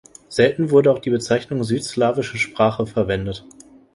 Selten wurde auch die Bezeichnung südslawische Sprache verwendet.